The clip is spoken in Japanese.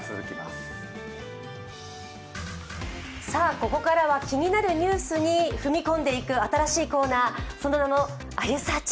ここからは気になるニュースに踏み込んでいくその名も「あゆサーチ」。